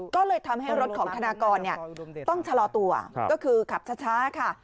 ก็เลยทำให้รถของธนากรต้องชะลอตัวก็คือขับช้าค่ะ